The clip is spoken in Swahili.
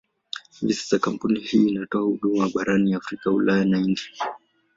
Hivi sasa kampuni hii inatoa huduma barani Afrika, Ulaya na India.